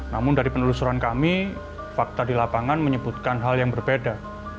namun dari penelusuran kami fakta di lapangan menyebutkan hal yang berbeda